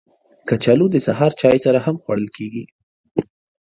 کچالو د سهار چای سره هم خوړل کېږي